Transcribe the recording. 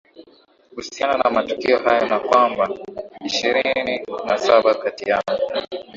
usiana na matukio hayo na kwamba ishirini na saba kati yao